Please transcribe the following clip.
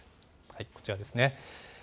こちらですね。